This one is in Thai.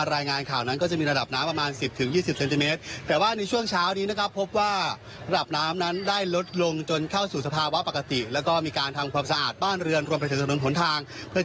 รายงานจากอำเภอเมืองน่านค่ะ